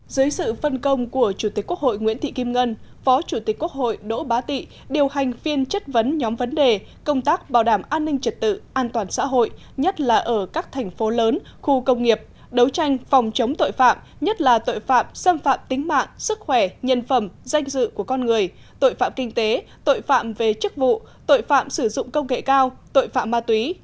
dưới sự phân công của chủ tịch quốc hội nguyễn thị kim ngân phó chủ tịch quốc hội đỗ bá tị điều hành phiên chất vấn nhóm vấn đề công tác bảo đảm an ninh trật tự an toàn xã hội nhất là ở các thành phố lớn khu công nghiệp đấu tranh phòng chống tội phạm nhất là tội phạm xâm phạm tính mạng sức khỏe nhân phẩm danh dự của con người tội phạm kinh tế tội phạm về chức vụ tội phạm sử dụng công nghệ cao tội phạm ma túy